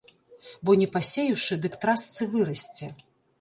Бо не пасеяўшы, дык трасцы вырасце.